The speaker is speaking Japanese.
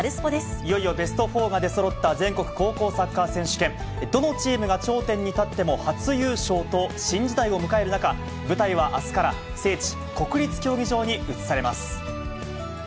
いよいよベスト４が出そろった全国高校サッカー選手権、どのチームが頂点に立っても初優勝と、新時代を迎える中、舞台はあすから聖地、国立競技場に移されます。